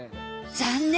残念！